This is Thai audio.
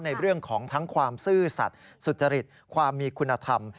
ในเรื่องของทั้งความซื่อสัตว์สุจริตความมีคุณธรรม